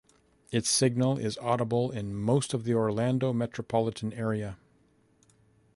Its signal is audible in most of the Orlando metropolitan area.